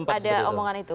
ada omongan itu